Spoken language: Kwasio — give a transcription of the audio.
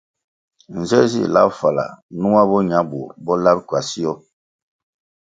Nze zih lab fala numa bo ña bur bo lab kwasio ?